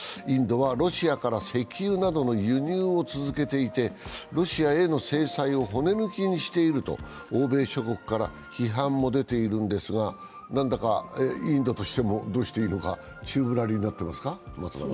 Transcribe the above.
インドはロシアから石油などの輸入を続けていて、ロシアへの制裁を骨抜きにしていると欧米諸国から批判も出ているのですが何だかインドとしてもどうしていいのか、宙ぶらりんになっていますか？